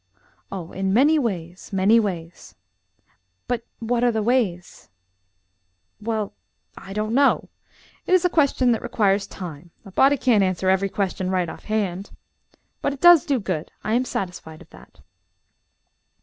"Oh, in many ways, many ways." "But what are the ways?" "Well I don't know it is a question that requires time; a body can't answer every question right off hand. But it does do good. I am satisfied of that."